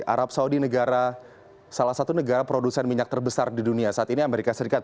arab saudi negara salah satu negara produsen minyak terbesar di dunia saat ini amerika serikat